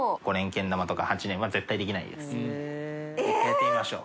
１回やってみましょう。